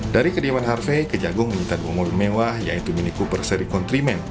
dari kediaman harvey kejagung menyita dua mobil mewah yaitu mini cooper seri kontrol